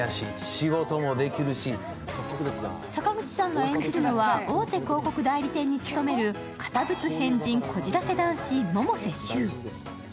坂口さんが演じるのは大手広告代理店に勤める堅物変人こじらせ男子・百瀬柊。